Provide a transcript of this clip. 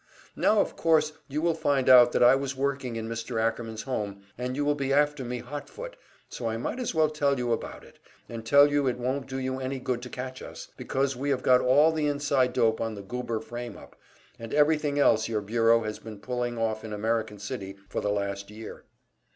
"Now of course you will find out that I was working in Mr. Ackerman's home and you will be after me hot foot, so I might as well tell you about it, and tell you it won't do you any good to catch us, because we have got all the inside dope on the Goober frame up, and everything else your bureau has been pulling off in American City for the last year.